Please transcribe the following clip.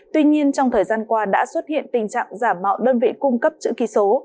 tuy nhiên trong thời gian qua đã xuất hiện tình trạng giả mạo đơn vị cung cấp chữ ký số